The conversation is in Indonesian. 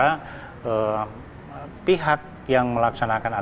dan pihak yang melaksanakan atas